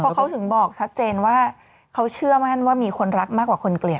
เพราะเขาถึงบอกชัดเจนว่าเขาเชื่อมั่นว่ามีคนรักมากกว่าคนเกลียด